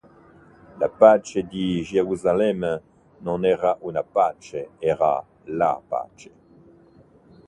La pace di Gerusalemme non era “una pace”, era “la pace”.